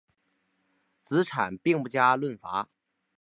子产并不加讨伐。